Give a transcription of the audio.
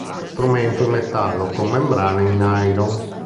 Lo strumento è in metallo con membrane in nylon.